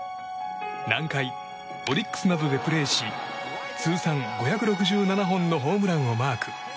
南海、オリックスなどでプレーし通算５６７本のホームランをマーク。